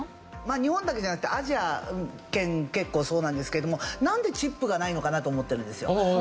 日本だけじゃなくてアジア圏結構そうなんですけれどもなんでチップがないのかなと思ってるんですよ。